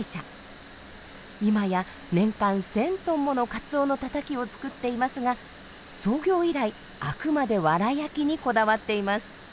今や年間１，０００トンものカツオのたたきを作っていますが創業以来あくまでワラ焼きにこだわっています。